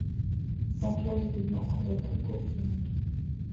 Sans toi j’étais mort! reprit Courfeyrac.